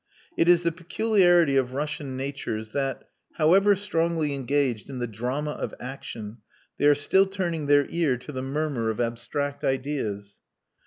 It is the peculiarity of Russian natures that, however strongly engaged in the drama of action, they are still turning their ear to the murmur of abstract ideas.